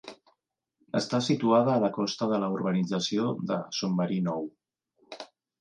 Està situada a la costa de la urbanització de Son Verí Nou.